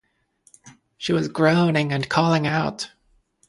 She was groaning and calling out.